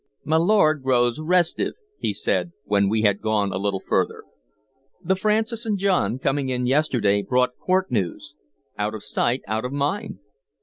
"My lord grows restive," he said, when we had gone a little further. "The Francis and John, coming in yesterday, brought court news. Out of sight, out of mind.